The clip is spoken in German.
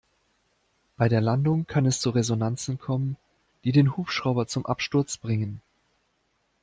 Bei der Landung kann es zu Resonanzen kommen, die den Hubschrauber zum Absturz bringen.